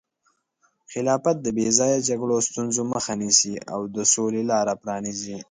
خلافت د بې ځایه جګړو او ستونزو مخه نیسي او د سولې لاره پرانیزي.